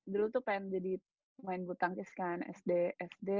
dulu tuh pengen jadi main bulu tangkis kan sd sd